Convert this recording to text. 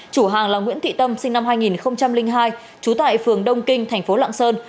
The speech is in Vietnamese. chủ hàng là nguyễn thị tâm sinh năm hai nghìn hai trú tại phường đông kinh thành phố lạng sơn